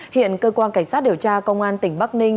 hiện cơ quan cảnh sát điều tra công an tỉnh bắc ninh